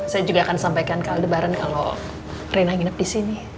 saya juga akan sampaikan ke aldebaran kalau rina nginep di sini